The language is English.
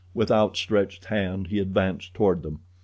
With outstretched hand he advanced toward them.